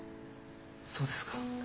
そうですか。